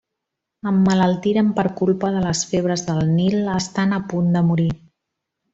Emmalaltiren per culpa de les febres del Nil, estant a punt de morir.